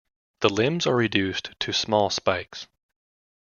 The limbs are reduced to small spikes.